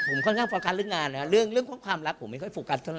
ผมค่อนข้างโฟกัสเรื่องงานนะครับเรื่องของความรักผมไม่ค่อยโฟกัสเท่าไ